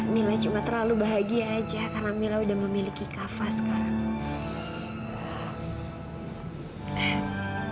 nilai cuma terlalu bahagia aja karena mila udah memiliki kava sekarang